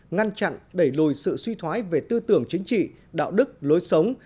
ngăn chặn đẩy lùi sự suy thoái về tư tưởng chính trị đạo đức lối sống